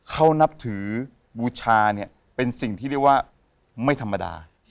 เข้านับถือมูชาเป็นสิ่งที่ไม่ธรรมดา